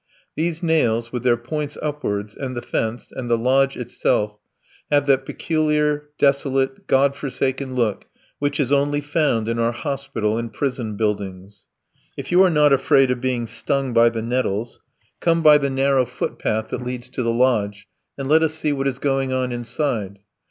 These nails, with their points upwards, and the fence, and the lodge itself, have that peculiar, desolate, God forsaken look which is only found in our hospital and prison buildings. If you are not afraid of being stung by the nettles, come by the narrow footpath that leads to the lodge, and let us see what is going on inside.